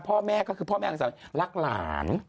พ่อแม่ก็คือพ่อแม่ของสาวรักหลาน